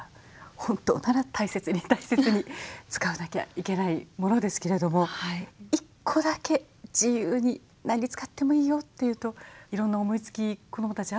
本当なら大切に大切に使わなきゃいけないものですけれども１個だけ自由に何に使ってもいいよって言うといろんな思いつき子どもたちあるんですね。